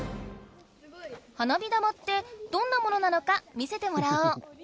花火玉ってどんなものなのか見せてもらおう。